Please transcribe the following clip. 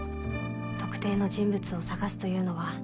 特定の人物を捜すというのは。